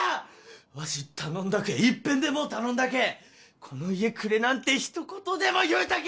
わし頼んだけいっぺんでも頼んだけこの家くれなんて一言でも言うたけ！